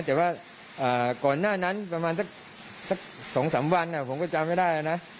แต่ว่าก่อนหน้านั้นประมาณสัก๒๓วันผมก็จำไม่ได้นะ